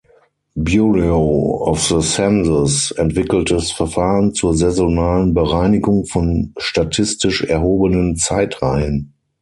Bureau of the Census entwickeltes Verfahren zur saisonalen Bereinigung von statistisch erhobenen Zeitreihen.